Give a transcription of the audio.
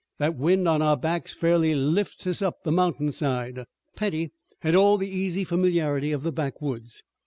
That wind on our backs fairly lifts us up the mountain side." Petty had all the easy familiarity of the backwoods.